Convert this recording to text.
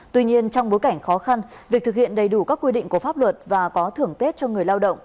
tuy nhiên trong bối cảnh khó khăn việc thực hiện đầy đủ các quy định của pháp luật và có thưởng tết cho người lao động